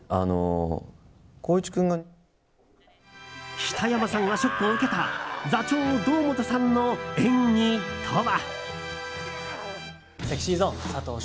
北山さんがショックを受けた座長・堂本さんの演技とは。